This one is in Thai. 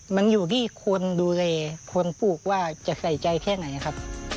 มันอยู่ที่คนดูแลคนปลูกว่าจะใส่ใจแค่ไหนครับ